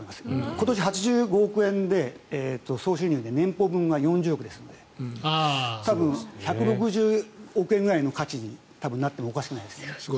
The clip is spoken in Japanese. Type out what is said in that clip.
今年８５億円で、総収入で年俸分が４０億ですので多分１６０億円ぐらいの価値になってもおかしくないです。